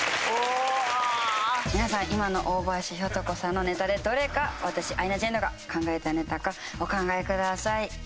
皆さん今の大林ひょと子さんのネタでどれが私アイナ・ジ・エンドが考えたネタかお考えください。